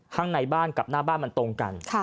ข้างในบ้านกับหน้าบ้านมันตรงกัน